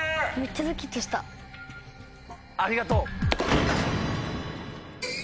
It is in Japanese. ありがとう。